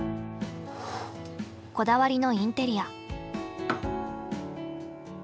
こだわりのインテリア。